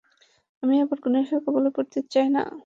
আমি আবার নেশার কবলে পড়তে চাই না।